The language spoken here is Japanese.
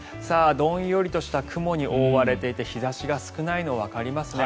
どんよりとした雲に覆われていて日差しが少ないのがわかりますね。